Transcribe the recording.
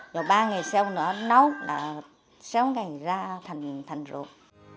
rồi ba ngày sau nữa nấu là sáu ngày ra thành ruột